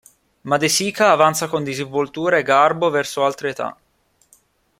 Ma De Sica avanza con disinvoltura e garbo verso altre età.